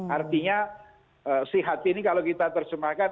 artinya sehat ini kalau kita terjemahkan